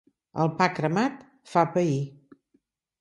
El pa cremat fa pair.